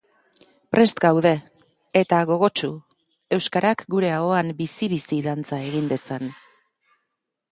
Prest gaude, eta gogotsu, euskarak gure ahoan bizi-bizi dantza egin dezan.